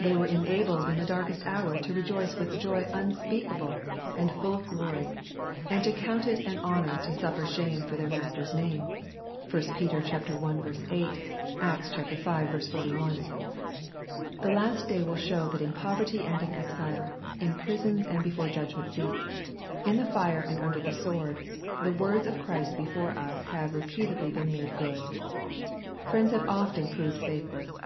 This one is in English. They were enabled in the darkest hour to rejoice with joy unspeakable and full of glory, and to count it an honor to suffer shame for their Masters name. (1 Pet. i. 8. Acts v. 41.) The last day will show that in poverty and in exile, — in prisons and before judgment seats, — in the fire and under the sword, — the words of Christ before us have repeatedly been made good. Friends have often proved faithless.